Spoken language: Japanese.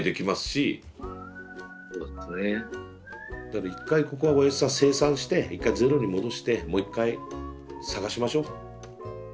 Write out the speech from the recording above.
だから一回ここはおやぢさん清算して一回ゼロに戻してもう一回探しましょ。